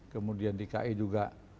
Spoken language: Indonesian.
kemudian dki juga